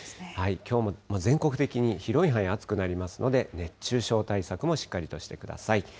きょうも全国的に広い範囲、暑くなりますので、熱中症対策もしっかりとしてください。